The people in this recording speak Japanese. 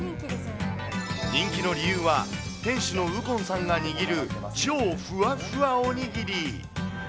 人気の理由は、店主の右近さんが握る超ふわふわおにぎり。